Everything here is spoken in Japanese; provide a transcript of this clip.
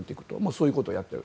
そういうことをやっている。